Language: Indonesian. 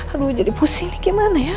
aduh jadi pusing gimana ya